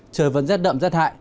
trời vẫn rét đậm rét hại